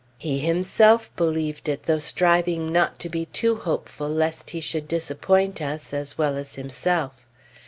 He himself believed it, though striving not to be too hopeful lest he should disappoint us, as well as himself.